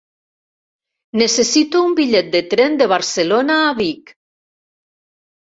Necessito un bitllet de tren de Barcelona a Vic.